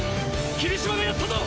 切島がやったぞ！